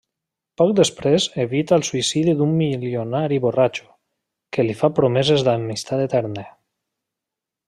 Poc després evita el suïcidi d'un milionari borratxo, que li fa promeses d'amistat eterna.